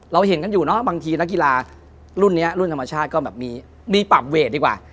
เราเห็นกันอยู่เนอะบางทีนักกีฬารุ่นนี้รุ่นธรรมชาติก็แบบมีปรับเวทดีกว่า